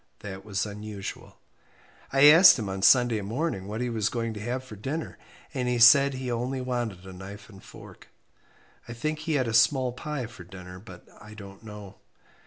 That was unusual. I asked him on Sunday morning what he was going to have for dinner, and he said he only wanted a knife and fork. I think he had a small pie for dinner, but I don't know.